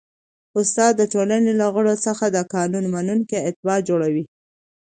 استاد د ټولني له غړو څخه د قانون منونکي اتباع جوړوي.